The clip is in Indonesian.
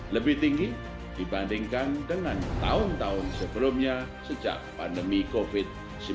lebih tinggi dibandingkan dengan tahun tahun sebelumnya sejak pandemi covid sembilan belas